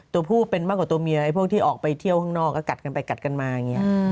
ตัวผู้เป็นมากกว่าตัวเมียพวกที่ออกไปเที่ยวข้างนอกก็กัดกันไปกัดกันมาอย่างนี้